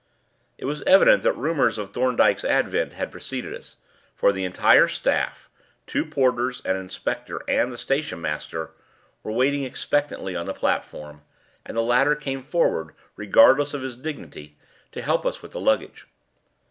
It was evident that rumours of Thorndyke's advent had preceded us, for the entire staff two porters, an inspector, and the station master were waiting expectantly on the platform, and the latter came forward, regardless of his dignity, to help us with our luggage.